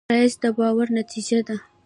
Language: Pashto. ښایست د باور نتیجه ده